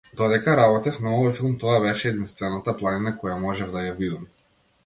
Додека работев на овој филм тоа беше единствената планина која можев да ја видам.